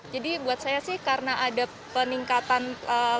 jadi buat saya sih karena ada peningkatan layar